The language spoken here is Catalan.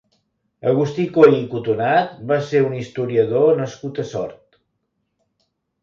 Agustí Coy i Cotonat va ser un historiador nascut a Sort.